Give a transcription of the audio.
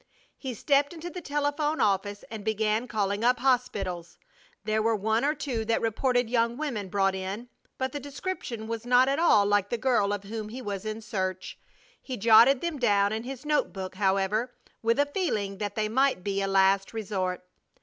He stepped into the telephone office and began calling up hospitals. There were one or two that reported young women brought in, but the description was not at all like the girl of whom he was in search. He jotted them down in his note book, however, with a feeling that they might be a last resort.